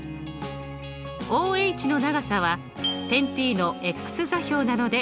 ＯＨの長さは点Ｐの座標なので。